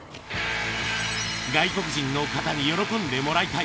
外国人の方に喜んでもらいたい。